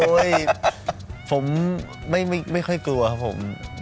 ผมไม่ค่อยกลัวครับผม